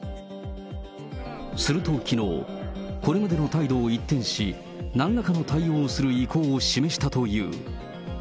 するときのう、これまでの態度を一転し、なんらかの対応をする意向を示したという。